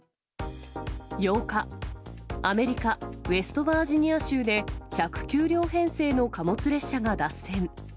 ８日、アメリカ・ウェストバージニア州で、１０９両編成の貨物列車が脱線。